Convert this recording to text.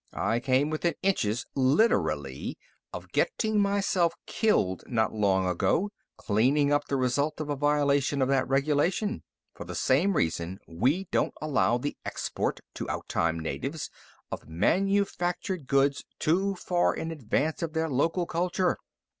I came within inches, literally, of getting myself killed, not long ago, cleaning up the result of a violation of that regulation. For the same reason, we don't allow the export, to outtime natives, of manufactured goods too far in advance of their local culture.